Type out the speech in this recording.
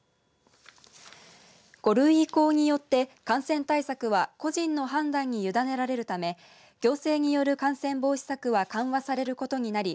５類移行によって感染対策は個人の判断に委ねられるため行政による感染防止策は緩和されることになり